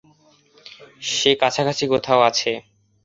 সে কাছাকাছি কোথাও আছে।